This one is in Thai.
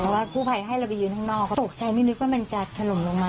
อ๋อว่าครูภัยให้เราไปยืนข้างนอกสนใจไม่นึกว่ามันจะถล่มลงมา